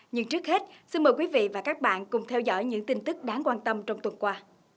nhưng trước hết xin mời quý vị và các bạn cùng theo dõi những tin tức đáng quan tâm trong tuần qua